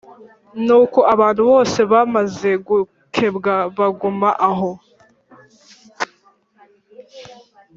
Nuko abantu bose bamaze gukebwa baguma aho